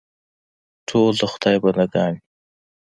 ټول د خدای بنده ګان یو.